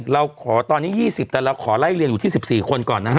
เราขอตอนนี้๒๐แต่เราขอไล่เรียนอยู่ที่๑๔คนก่อนนะฮะ